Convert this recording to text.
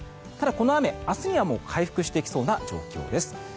ただ、この雨、明日には回復してきそうな状況です。